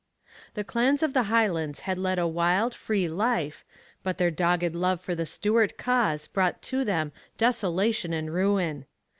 The clans of the Highlands had led a wild, free life, but their dogged love for the Stuart cause brought to them desolation and ruin.